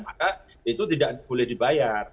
maka itu tidak boleh dibayar